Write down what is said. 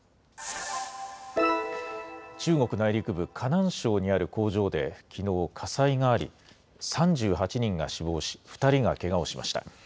中国内陸部、河南省にある工場で、きのう火災があり、３８人が死亡し、２人がけがをしました。